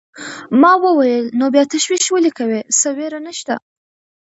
ما وویل: نو بیا تشویش ولې کوې، څه وېره نشته.